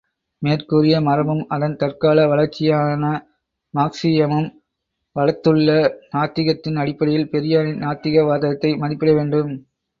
மேற்கூறிய மரபும் அதன் தற்கால வளர்ச்சியான மார்க்சீயமும் வளர்த்துள்ள நாத்திகத்தின் அடிப்படையில் பெரியாரின் நாத்திக வாதத்தை மதிப்பிட வேண்டும்.